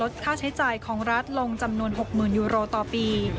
ค่าใช้จ่ายของรัฐลงจำนวน๖๐๐๐ยูโรต่อปี